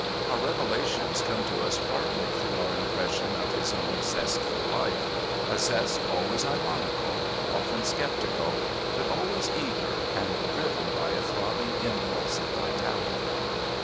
Our revelations come to us partly through our impression of his own zest for life, a zest always ironical, often sceptical, but always eager and driven by a throbbing impulse of vitality.